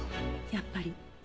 やっぱり。